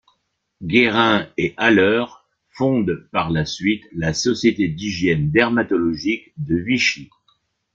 Guérin et Haller fondent par la suite la société d'Hygiène Dermatologique de Vichy.